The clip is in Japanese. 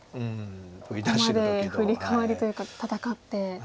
ここまでフリカワリというか戦って。